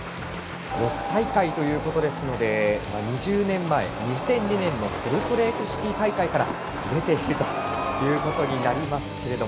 ６大会ということですので２０年前、２００２年のソルトレークシティー大会から出ているということになります。